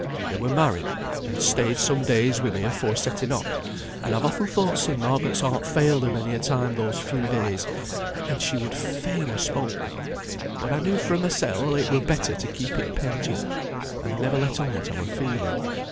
They were married, and stayed some days wi' me afore setting off; and I've often thought sin' Margaret's heart failed her many a time those few days, and she would fain ha' spoken; but I knew fra' mysel it were better to keep it pent up, and I never let on what I were feeling.